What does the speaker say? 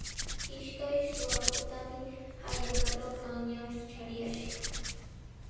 Ishkay suqakuqtami hallaqatraw qanyan chariyashqa.